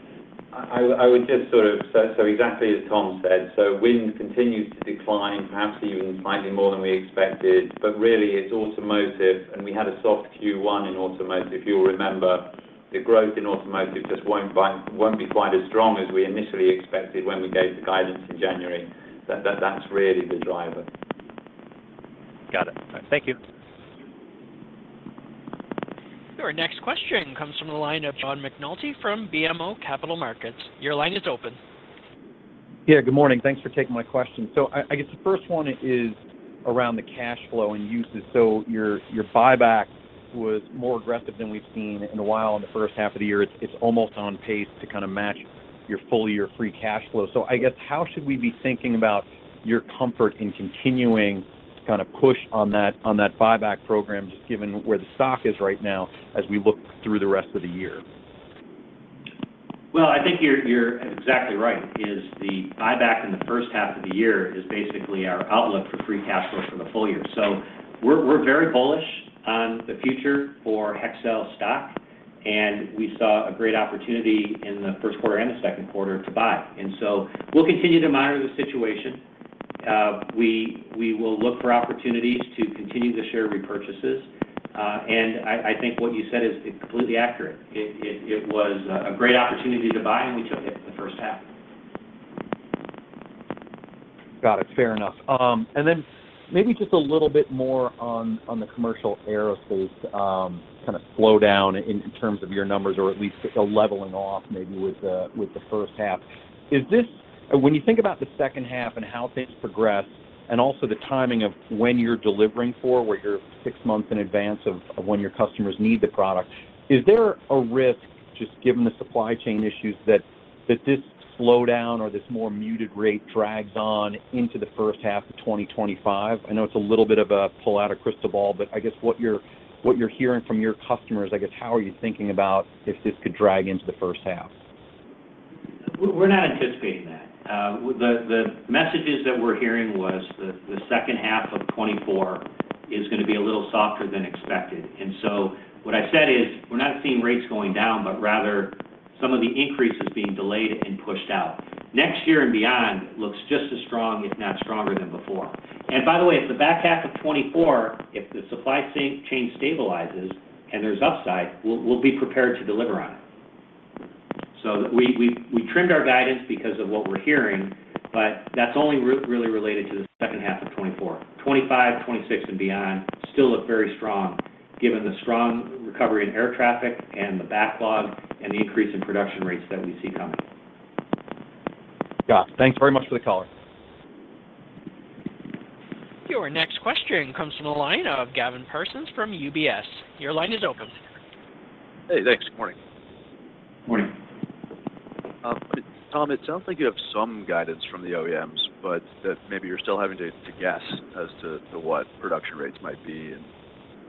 So, exactly as Thomas said, wind continues to decline, perhaps even slightly more than we expected, but really it's automotive, and we had a soft Q1 in automotive. If you'll remember, the growth in automotive just won't quite, won't be quite as strong as we initially expected when we gave the guidance in January. That, that's really the driver. Got it. All right. Thank you. Your next question comes from the line of John McNulty from BMO Capital Markets. Your line is open. Yeah, good morning. Thanks for taking my question. So I, I guess the first one is around the cash flow and uses. So your, your buyback was more aggressive than we've seen in a while in the first half of the year. It's, it's almost on pace to kind of match your full year free cash flow. So I guess, how should we be thinking about your comfort in continuing to kind of push on that, on that buyback program, just given where the stock is right now, as we look through the rest of the year? Well, I think you're exactly right. The buyback in the first half of the year is basically our outlook for free cash flow for the full year. So we're very bullish on the future for Hexcel stock, and we saw a great opportunity in the first quarter and the second quarter to buy. And so we'll continue to monitor the situation. We will look for opportunities to continue the share repurchases. And I think what you said is completely accurate. It was a great opportunity to buy, and we took it in the first half. Got it. Fair enough. And then maybe just a little bit more on the commercial aerospace kind of slowdown in terms of your numbers, or at least a leveling off, maybe with the first half. When you think about the second half and how things progress, and also the timing of when you're delivering where you're six months in advance of when your customers need the product, is there a risk, just given the supply chain issues, that this slowdown or this more muted rate drags on into the first half of 2025? I know it's a little bit of a pull out a crystal ball, but I guess what you're hearing from your customers, I guess, how are you thinking about if this could drag into the first half? We're not anticipating that. The messages that we're hearing was the second half of 2024 is gonna be a little softer than expected. And so what I said is, we're not seeing rates going down, but rather some of the increases being delayed and pushed out. Next year and beyond looks just as strong, if not stronger than before. And by the way, if the back half of 2024, if the supply chain stabilizes and there's upside, we'll be prepared to deliver on it. So we trimmed our guidance because of what we're hearing, but that's only really related to the second half of 2024. 2025, 2026, and beyond still look very strong, given the strong recovery in air traffic and the backlog and the increase in production rates that we see coming. Got it. Thanks very much for the color. Your next question comes from the line of Gavin Parsons from UBS. Your line is open. Hey, thanks. Good morning. Morning. Tom, it sounds like you have some guidance from the OEMs, but that maybe you're still having to guess as to what production rates might be.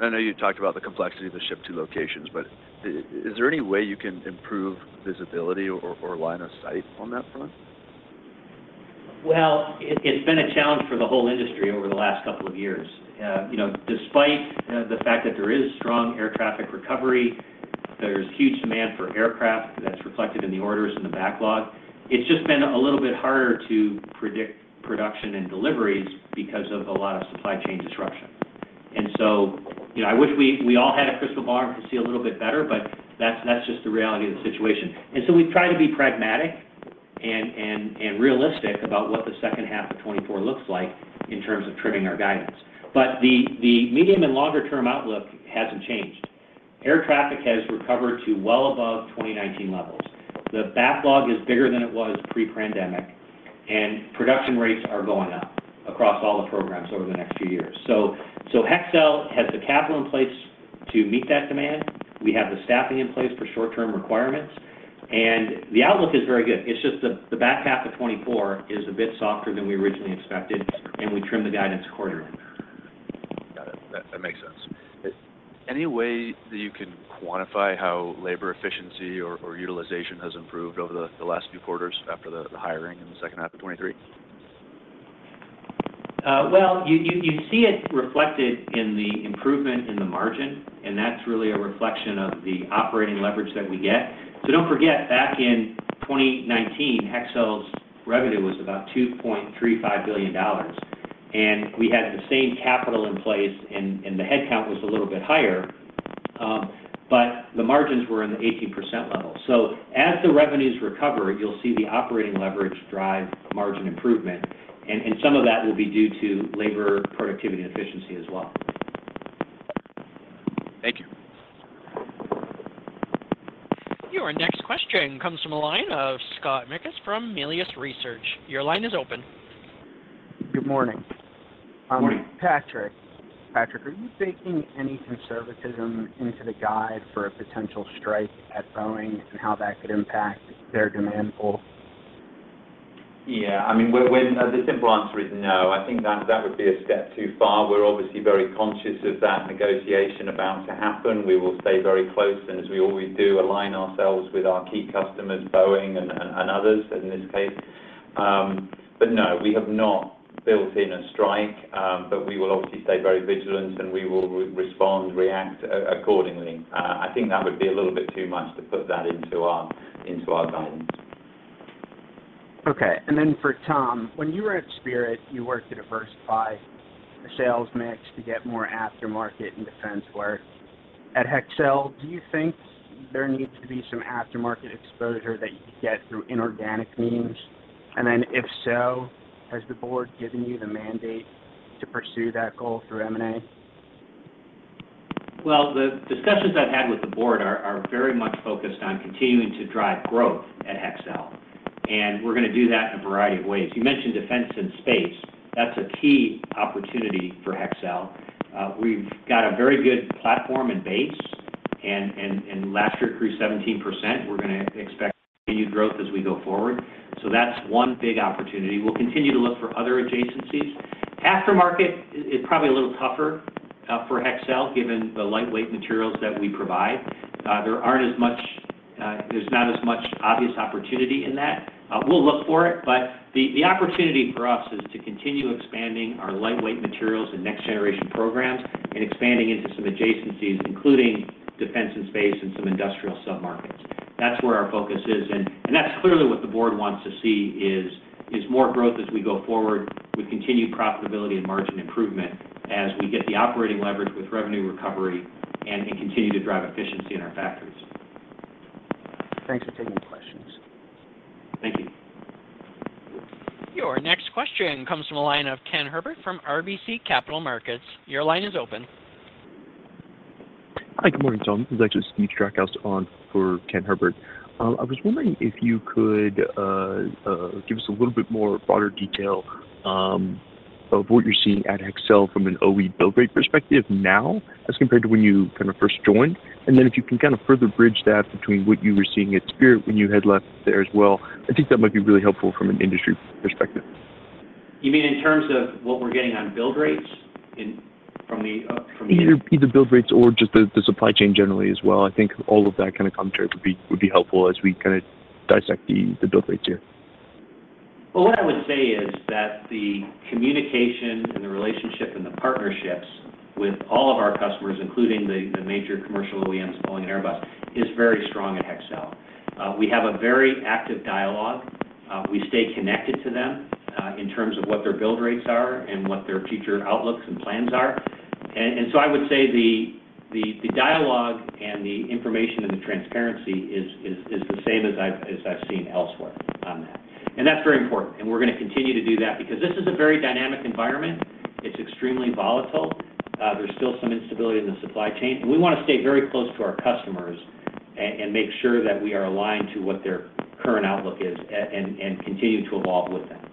I know you talked about the complexity of the ship to locations, but is there any way you can improve visibility or line of sight on that front? Well, it's been a challenge for the whole industry over the last couple of years. You know, despite the fact that there is strong air traffic recovery, there's huge demand for aircraft that's reflected in the orders and the backlog, it's just been a little bit harder to predict production and deliveries because of a lot of supply chain disruption. And so, you know, I wish we all had a crystal ball and could see a little bit better, but that's just the reality of the situation. And so we've tried to be pragmatic and realistic about what the second half of 2024 looks like in terms of trimming our guidance. But the medium and longer term outlook hasn't changed. Air traffic has recovered to well above 2019 levels. The backlog is bigger than it was pre-pandemic, and production rates are going up across all the programs over the next few years. So, so Hexcel has the capital in place to meet that demand. We have the staffing in place for short-term requirements, and the outlook is very good. It's just the back half of 2024 is a bit softer than we originally expected, and we trimmed the guidance quarterly. Got it. That makes sense. Is any way that you can quantify how labor efficiency or utilization has improved over the last few quarters after the hiring in the second half of 2023? Well, you see it reflected in the improvement in the margin, and that's really a reflection of the operating leverage that we get. So don't forget, back in 2019, Hexcel's revenue was about $2.35 billion, and we had the same capital in place, and the headcount was a little bit higher, but the margins were in the 80% level. So as the revenues recover, you'll see the operating leverage drive margin improvement, and some of that will be due to labor productivity and efficiency as well. Thank you. Your next question comes from the line of Scott Mikus from Melius Research. Your line is open. Good morning. Good morning. Patrick. Patrick, are you baking any conservatism into the guide for a potential strike at Boeing and how that could impact their demand pool? Yeah, I mean, we're. The simple answer is no. I think that that would be a step too far. We're obviously very conscious of that negotiation about to happen. We will stay very close, and as we always do, align ourselves with our key customers, Boeing and others, in this case. But no, we have not built in a strike, but we will obviously stay very vigilant, and we will respond, react accordingly. I think that would be a little bit too much to put that into our guidance. Okay. And then for Thomas, when you were at Spirit, you worked to diversify the sales mix to get more aftermarket and defense work. At Hexcel, do you think there needs to be some aftermarket exposure that you could get through inorganic means? And then, if so, has the board given you the mandate to pursue that goal through M&A? Well, the discussions I've had with the board are very much focused on continuing to drive growth at Hexcel, and we're gonna do that in a variety of ways. You mentioned defense and space. That's a key opportunity for Hexcel. We've got a very good platform and base, and last year grew 17%. We're gonna expect continued growth as we go forward. So that's one big opportunity. We'll continue to look for other adjacencies. Aftermarket is probably a little tougher for Hexcel, given the lightweight materials that we provide. There aren't as much... there's not as much obvious opportunity in that. We'll look for it, but the opportunity for us is to continue expanding our lightweight materials and next generation programs and expanding into some adjacencies, including defense and space and some industrial submarkets. That's where our focus is, and that's clearly what the board wants to see is more growth as we go forward with continued profitability and margin improvement as we get the operating leverage with revenue recovery and continue to drive efficiency in our factories. Thanks for taking the questions. Thank you. Your next question comes from a line of Ken Herbert from RBC Capital Markets. Your line is open. Hi, good morning, Tom. This is actually Steve Drakos on for Ken Herbert. I was wondering if you could give us a little bit more broader detail of what you're seeing at Hexcel from an OE build rate perspective now, as compared to when you kind of first joined. And then if you can kind of further bridge that between what you were seeing at Spirit when you had left there as well, I think that might be really helpful from an industry perspective. You mean in terms of what we're getting on build rates in, from the, from the- Either build rates or just the supply chain generally as well. I think all of that kind of commentary would be helpful as we kind of dissect the build rates here. Well, what I would say is that the communication and the relationship and the partnerships with all of our customers, including the major commercial OEMs, Boeing and Airbus, is very strong at Hexcel. We have a very active dialogue. We stay connected to them in terms of what their build rates are and what their future outlooks and plans are. And so I would say the dialogue and the information and the transparency is the same as I've seen elsewhere on that. And that's very important, and we're gonna continue to do that because this is a very dynamic environment. It's extremely volatile. There's still some instability in the supply chain, and we wanna stay very close to our customers and make sure that we are aligned to what their current outlook is, and continue to evolve with them.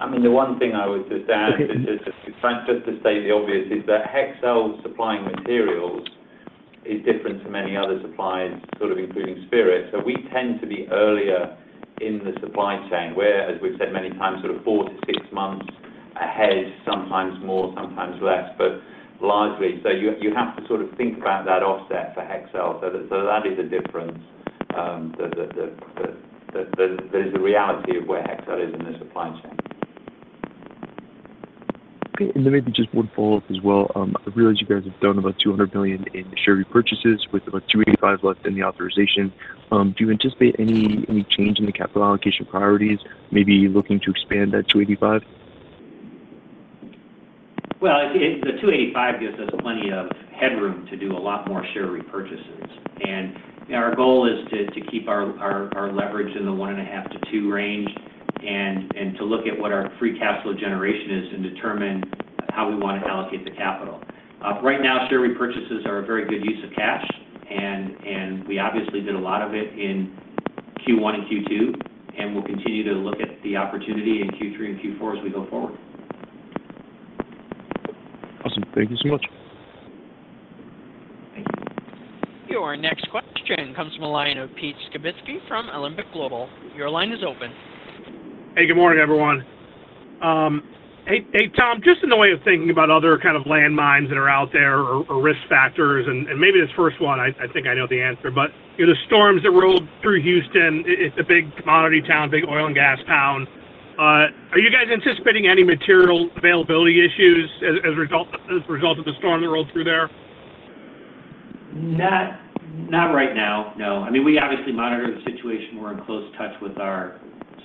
I mean, the one thing I would just add, just to state the obvious, is that Hexcel supplying materials is different to many other suppliers, sort of including Spirit. So we tend to be earlier in the supply chain, where, as we've said many times, sort of 4-6 months ahead, sometimes more, sometimes less, but largely. So you have to sort of think about that offset for Hexcel. So that is a difference, the there's a reality of where Hexcel is in the supply chain. Okay. And then maybe just one follow-up as well. I realize you guys have done about $200 million in share repurchases with about $285 million left in the authorization. Do you anticipate any change in the capital allocation priorities, maybe looking to expand that $285 million? Well, the $285 gives us plenty of headroom to do a lot more share repurchases. Our goal is to keep our leverage in the 1.5-2 range, and to look at what our free cash flow generation is and determine how we want to allocate the capital. Right now, share repurchases are a very good use of cash, and we obviously did a lot of it in Q1 and Q2, and we'll continue to look at the opportunity in Q3 and Q4 as we go forward. Awesome. Thank you so much. Thank you. Your next question comes from a line of Pete Skibitski from Alembic Global Advisors. Your line is open. Hey, good morning, everyone. Hey, Thomas, just in the way of thinking about other kind of landmines that are out there or risk factors, and maybe this first one, I think I know the answer, but, you know, the storms that rolled through Houston, it's a big commodity town, big oil and gas town. Are you guys anticipating any material availability issues as a result of the storm that rolled through there? Not right now, no. I mean, we obviously monitor the situation. We're in close touch with our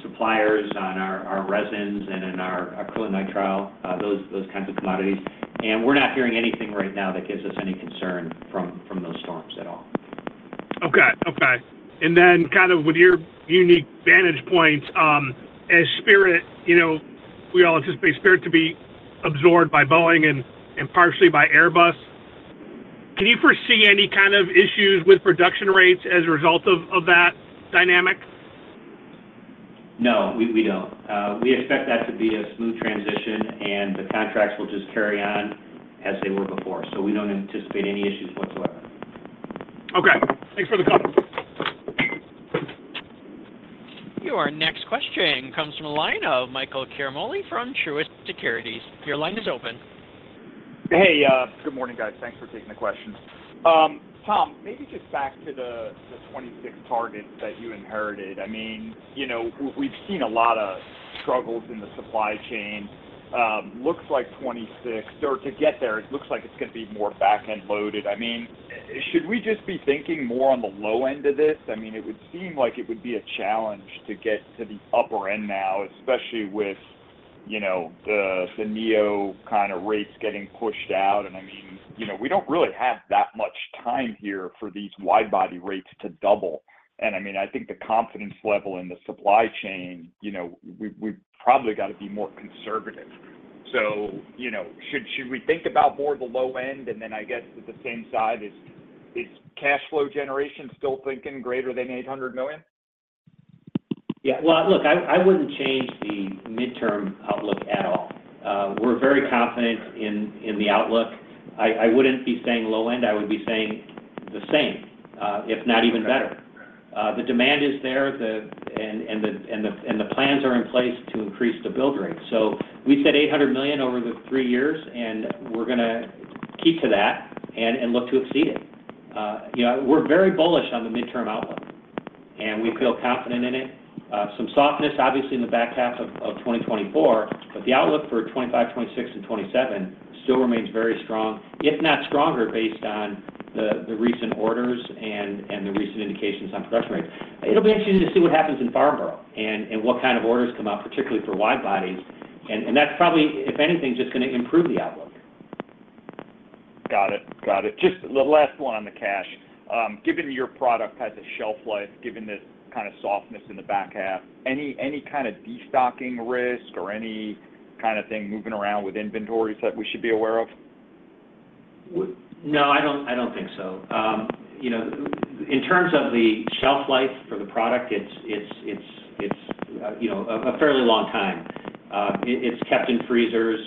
suppliers on our resins and in our acrylonitrile, those kinds of commodities, and we're not hearing anything right now that gives us any concern from those storms at all. Okay. Okay. And then kind of with your unique vantage points, as Spirit, you know, we all anticipate Spirit to be absorbed by Boeing and, and partially by Airbus. Can you foresee any kind of issues with production rates as a result of, of that dynamic? No, we don't. We expect that to be a smooth transition, and the contracts will just carry on as they were before. So we don't anticipate any issues whatsoever. Okay. Thanks for the call. Your next question comes from a line of Michael Ciarmoli from Truist Securities. Your line is open. Hey, good morning, guys. Thanks for taking the question. Thomas, maybe just back to the 26 target that you inherited. I mean, you know, we've seen a lot of struggles in the supply chain. Looks like 26, or to get there, it looks like it's gonna be more back-end loaded. I mean, should we just be thinking more on the low end of this? I mean, it would seem like it would be a challenge to get to the upper end now, especially with, you know, the neo kind of rates getting pushed out. And I mean, you know, we don't really have that much time here for these wide body rates to double. And I mean, I think the confidence level in the supply chain, you know, we've probably got to be more conservative. So, you know, should we think about more of the low end? And then I guess at the same side, is cash flow generation still thinking greater than $800 million? Yeah, well, look, I wouldn't change the midterm outlook at all. We're very confident in the outlook. I wouldn't be saying low end. I would be saying the same, if not even better. The demand is there, and the plans are in place to increase the build rate. So we said $800 million over the three years, and we're gonna keep to that and look to exceed it. You know, we're very bullish on the midterm outlook, and we feel confident in it. Some softness obviously in the back half of 2024, but the outlook for 2025, 2026, and 2027 still remains very strong, if not stronger, based on the recent orders and the recent indications on progression rates. It'll be interesting to see what happens in Farnborough and what kind of orders come out, particularly for wide bodies. And that's probably, if anything, just gonna improve the outlook. Got it. Got it. Just the last one on the cash. Given your product has a shelf life, given this kind of softness in the back half, any kind of destocking risk or any kind of thing moving around with inventories that we should be aware of? No, I don't think so. You know, in terms of the shelf life for the product, it's a fairly long time. It's kept in freezers.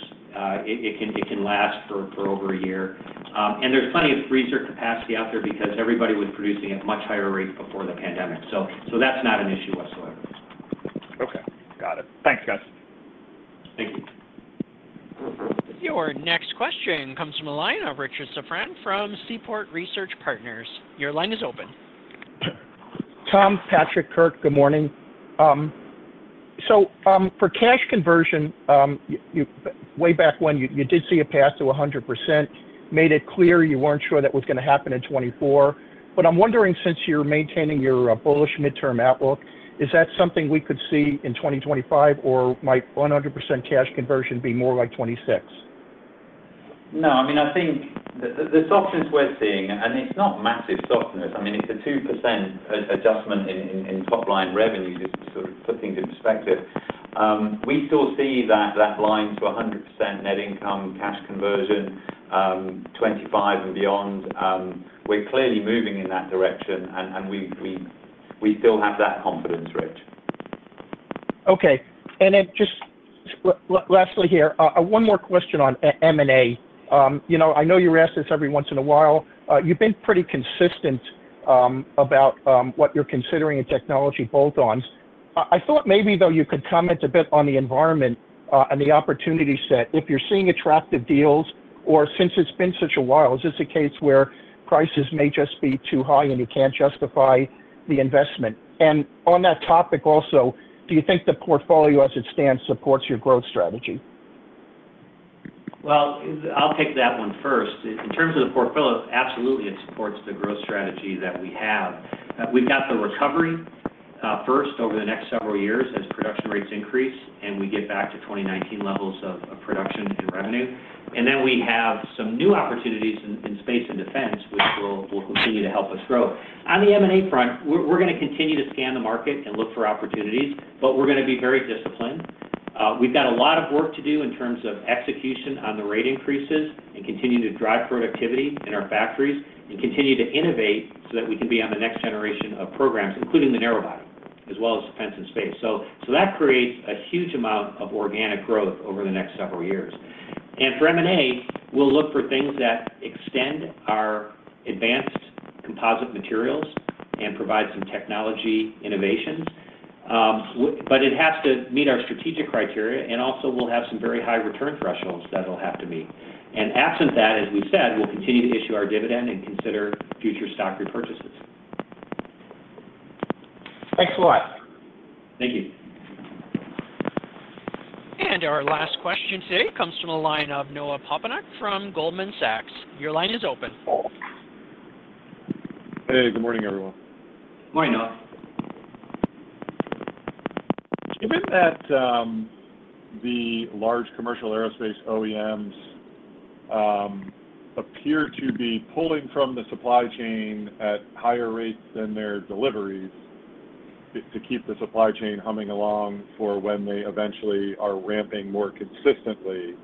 It can last for over a year. And there's plenty of freezer capacity out there because everybody was producing at a much higher rate before the pandemic. So that's not an issue whatsoever. Okay. Got it. Thanks, guys. Thank you. Your next question comes from a line of Richard Safran from Seaport Research Partners. Your line is open. Thomas, Patrick, Rob, good morning. So, for cash conversion, way back when you did see a path to 100%, made it clear you weren't sure that was gonna happen in 2024. But I'm wondering, since you're maintaining your bullish midterm outlook, is that something we could see in 2025, or might 100% cash conversion be more like 2026? No, I mean, I think the softness we're seeing, and it's not massive softness, I mean, it's a 2% adjustment in top-line revenues just to sort of put things in perspective. We still see that line to 100% net income, cash conversion, 25 and beyond. We're clearly moving in that direction, and we still have that confidence, Richard. Okay. And then just lastly here, one more question on M&A. You know, I know you were asked this every once in a while. You've been pretty consistent about what you're considering in technology bolt-ons. I thought maybe, though, you could comment a bit on the environment, and the opportunity set. If you're seeing attractive deals or since it's been such a while, is this a case where prices may just be too high, and you can't justify the investment? And on that topic also, do you think the portfolio, as it stands, supports your growth strategy? Well, I'll take that one first. In terms of the portfolio, absolutely, it supports the growth strategy that we have. We've got the recovery first over the next several years as production rates increase, and we get back to 2019 levels of production and revenue. And then we have some new opportunities in space and defense, which will continue to help us grow. On the M&A front, we're gonna continue to scan the market and look for opportunities, but we're gonna be very disciplined. We've got a lot of work to do in terms of execution on the rate increases and continue to drive productivity in our factories and continue to innovate, so that we can be on the next generation of programs, including the narrow body, as well as defense and space. So that creates a huge amount of organic growth over the next several years. For M&A, we'll look for things that extend our advanced composite materials and provide some technology innovations. But it has to meet our strategic criteria, and also we'll have some very high return thresholds that it'll have to meet. Absent that, as we said, we'll continue to issue our dividend and consider future stock repurchases. Thanks a lot. Thank you. Our last question today comes from the line of Noah Poponak from Goldman Sachs. Your line is open. Hey, good morning, everyone. Good morning, Noah. Given that, the large commercial aerospace OEMs appear to be pulling from the supply chain at higher rates than their deliveries, to keep the supply chain humming along for when they eventually are ramping more consistently,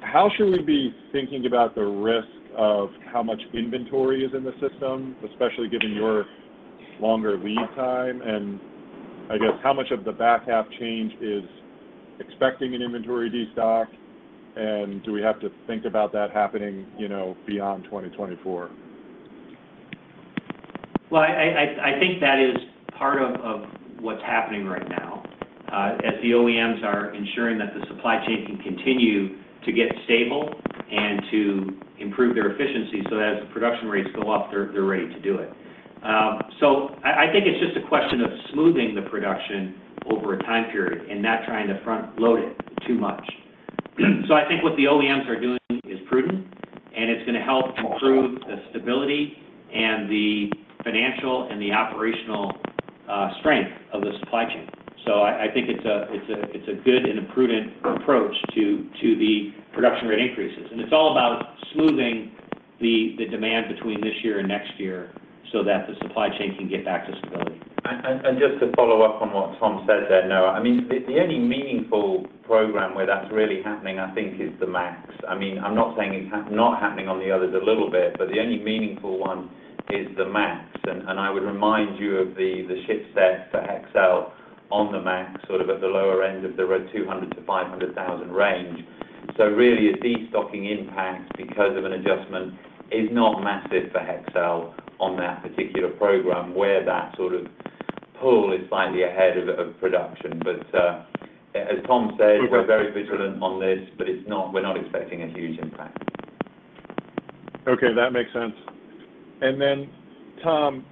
how should we be thinking about the risk of how much inventory is in the system, especially given your longer lead time? And I guess, how much of the back half change is expecting an inventory destock, and do we have to think about that happening, you know, beyond 2024? I think that is part of what's happening right now, as the OEMs are ensuring that the supply chain can continue to get stable and to improve their efficiency, so as the production rates go up, they're ready to do it. So I think it's just a question of smoothing the production over a time period and not trying to front load it too much. So I think what the OEMs are doing is prudent, and it's gonna help improve the stability and the financial and the operational strength of the supply chain. So I think it's a good and a prudent approach to the production rate increases. And it's all about smoothing the demand between this year and next year, so that the supply chain can get back to stability. Just to follow up on what Tom said there, Noah, I mean, the only meaningful program where that's really happening, I think, is the MAX. I mean, I'm not saying it's not happening on the others a little bit, but the only meaningful one is the MAX. And I would remind you of the ship set for Hexcel on the MAX, sort of at the lower end of the $200,000-$500,000 range. So really, a destocking impact because of an adjustment is not massive for Hexcel on that particular program, where that sort of pull is slightly ahead of production. But, as Tom said, we're very vigilant on this, but it's not—we're not expecting a huge impact. Okay, that makes sense. And then, Tom,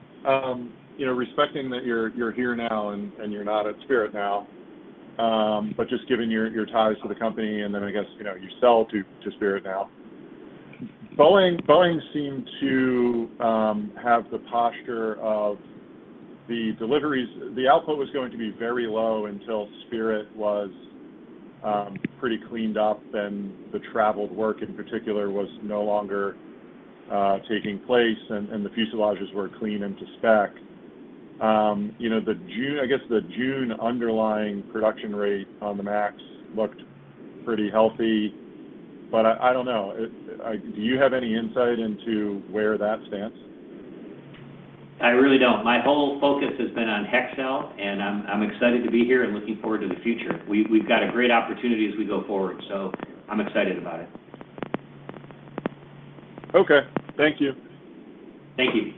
you know, respecting that you're here now and you're not at Spirit now, but just given your ties to the company, and then I guess, you know, you sell to Spirit now. Boeing seemed to have the posture of the deliveries, the output was going to be very low until Spirit was pretty cleaned up and the traveled work in particular was no longer taking place, and the fuselages were clean into spec. You know, the June, I guess the June underlying production rate on the MAX looked pretty healthy, but I don't know. It... Do you have any insight into where that stands? I really don't. My whole focus has been on Hexcel, and I'm excited to be here and looking forward to the future. We've got a great opportunity as we go forward, so I'm excited about it. Okay, thank you. Thank you.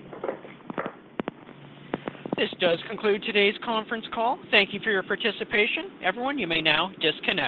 This does conclude today's conference call. Thank you for your participation. Everyone, you may now disconnect.